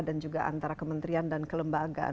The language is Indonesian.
dan juga antara kementerian dan kelembagaan